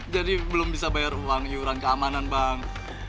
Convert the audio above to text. jadi belum bisa bayar uang iuran keamanan bang